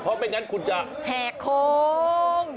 เพราะไม่งั้นคุณจะแห่โค้ง